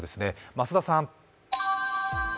増田さん。